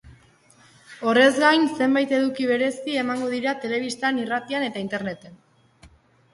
Horrez gain, zenbait eduki berezi emango dira telebistan, irratian eta interneten.